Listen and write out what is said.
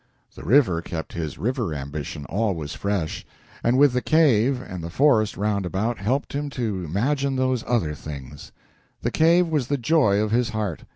The river kept his river ambition always fresh, and with the cave and the forest round about helped him to imagine those other things. The cave was the joy of his heart.